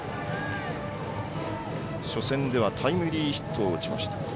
初戦ではタイムリーヒットを打ちました。